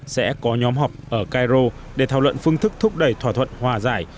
sẽ có nhóm họp ở cairo để thảo luận phương thức thúc đẩy thỏa thuận hòa giải